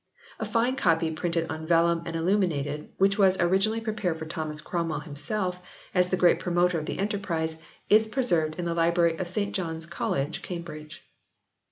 A fine copy printed on vellum and illuminated, which was originally pre pared for Thomas Cromwell himself, as the great promoter of the enterprise, is preserved in the Library of St John s College, Cambridge.